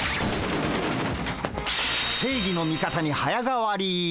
正義の味方に早変わり！